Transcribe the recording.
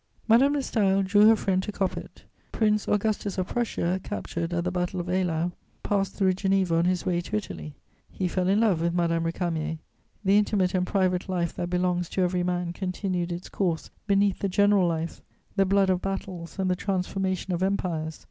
Madame de Staël drew her friend to Coppet. Prince Augustus of Prussia, captured at the Battle of Eylau, passed through Geneva on his way to Italy: he fell in love with Madame Récamier. The intimate and private life that belongs to every man continued its course beneath the general life, the blood of battles and the transformation of empires.